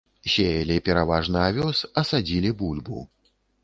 Сеялі пераважна авёс, а садзілі бульбу.